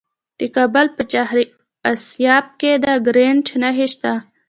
د کابل په چهار اسیاب کې د ګرانیټ نښې شته.